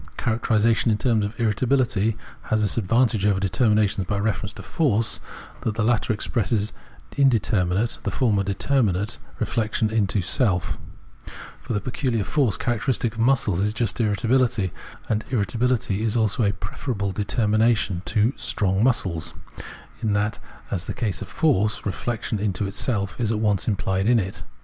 Characterisation ui terms of irritabihty has this advantage over determination by reference to " force," that the latter expresses inde terminate, the former determinate reflection into self ; 270 Phenomenology of Mind for the peculiar force characteristic of muscles is just irritabihty ; and irritabihty is also a preferable deter mination to " strong muscles/' in that, as in the case of force, reflection into self is at once imphed in it.